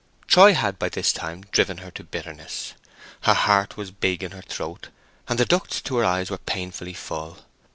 Troy had by this time driven her to bitterness: her heart was big in her throat, and the ducts to her eyes were painfully full.